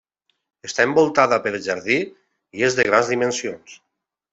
Està envoltada per jardí i és de grans dimensions.